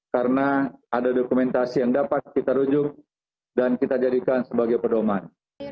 karena ada dokumentasi yang dapat kita rujuk dan kita jadikan sebagai perdomaan